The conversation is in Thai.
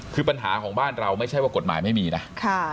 คือปัญหาของบ้านเราไม่ใช่ว่ากฎหมายไม่มีนะ